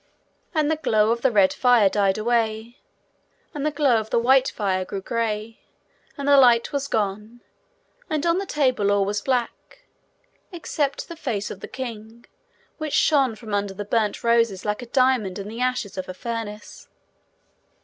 And the glow of the red fire died away, and the glow of the white fire grew grey, and the light was gone, and on the table all was black except the face of the king, which shone from under the burnt roses like a diamond in the ashes of a furnace.